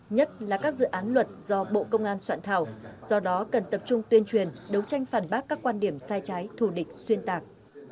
nhất là các dự án luật do bộ công an soạn thảo do đó cần tập trung tuyên truyền đấu tranh phản bác các quan điểm sai trái thù địch xuyên tạc